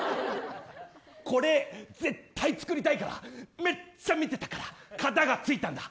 これ、絶対作りたいからめっちゃ見てたから型がついたんだ。